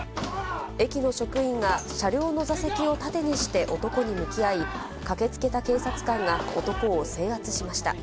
駅の職員が車両の座席を盾にして男に向き合い、駆けつけた警察官が男を制圧しました。